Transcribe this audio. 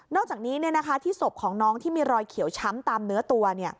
อกจากนี้ที่ศพของน้องที่มีรอยเขียวช้ำตามเนื้อตัว